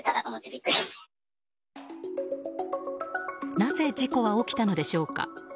なぜ事故は起きたのでしょうか。